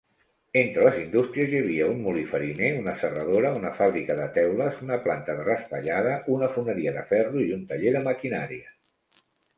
Entre les indústries hi havia un molí fariner, una serradora, una fàbrica de teules, una planta de raspallada, una foneria de ferro i un taller de maquinària.